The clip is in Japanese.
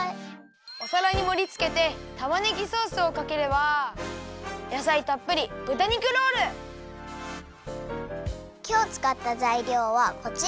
おさらにもりつけてたまねぎソースをかければやさいたっぷりきょうつかったざいりょうはこちら！